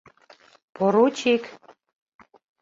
Поручик!